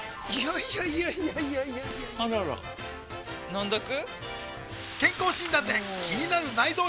いやいやいやいやあらら飲んどく？